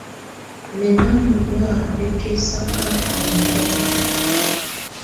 Mɛ̀ nà mɔ̀lɔ̀á bɛkɛsaka niɔ̀fɛna.